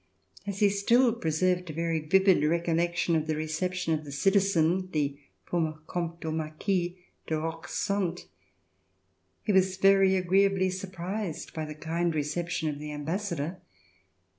As he still preserved a very vivid recollection of the reception of the citizen, the former Comte or Marquis, de Roquesante, he was very agreeably surprised by the kind reception of the ambassador.